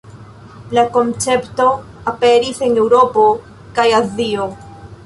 La koncepto aperis en Eŭropo kaj Azio.